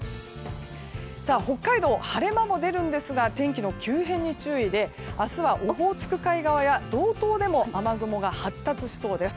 北海道、晴れ間も出るんですが天気の急変に注意で明日はオホーツク海側や道東でも雨雲が発達しそうです。